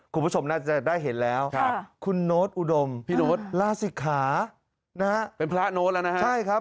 คุณผู้ชมน่าจะได้เห็นแล้วคุณโน้ตอุดมลาสิกขานะฮะใช่ครับเป็นพระโน้ตแล้วนะฮะ